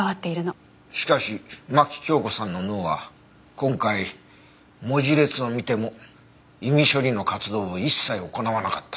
しかし牧京子さんの脳は今回文字列を見ても意味処理の活動を一切行わなかった。